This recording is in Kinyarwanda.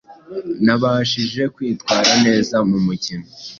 Nabashije kwitwara neza mu mukino